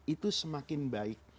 itu semakin baik